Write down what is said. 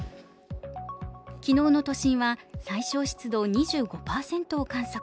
昨日の都心は最小湿度２５％を観測。